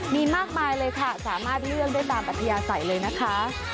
มีมากมายเลยค่ะสามารถเลือกได้ตามอัธยาศัยเลยนะคะ